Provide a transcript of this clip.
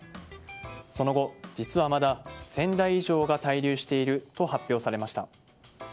その後、実はまだ１０００台以上が滞留していると発表されました。